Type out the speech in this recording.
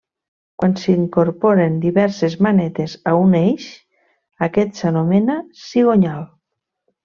Quan s'incorporen diverses manetes a un eix, aquest s'anomena cigonyal.